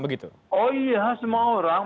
oh iya semua orang